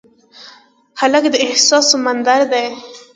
هلک د احساس سمندر دی.